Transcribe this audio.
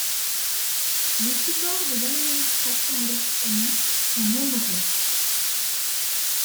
Les supports de l'administration électronique sont nombreux.